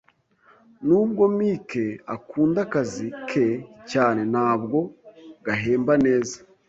Nubwo Mike akunda akazi ke cyane, ntabwo gahemba neza.